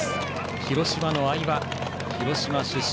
広島の相葉は広島出身。